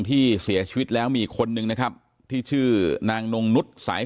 ที่เสียชีวิตแล้วมีอีกคนนึงนะครับที่ชื่อนางนงนุษย์สาย